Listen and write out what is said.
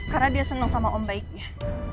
karena dia senang sama om baiknya